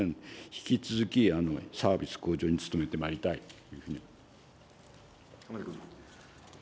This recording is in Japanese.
引き続きサービス向上に努めてまいりたいというふうに思っております。